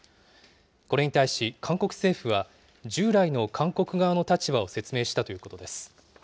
これに対し、韓国政府は従来の韓国側の立場を説明したということです。